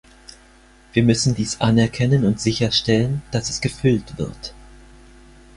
Wir müssen dies anerkennen und sicherstellen, dass es gefüllt wird.